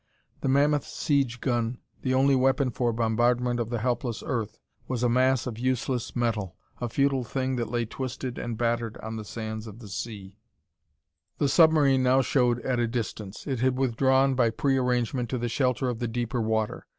The mammoth siege gun the only weapon for bombardment of the helpless Earth was a mass of useless metal, a futile thing that lay twisted and battered on the sands of the sea. The submarine now showed at a distance; it had withdrawn, by prearrangement, to the shelter of the deeper water.